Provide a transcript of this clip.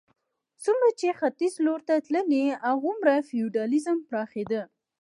څومره چې ختیځ لور ته تللې هغومره فیوډالېزم پراخېده.